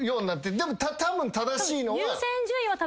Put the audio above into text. でもたぶん正しいのが。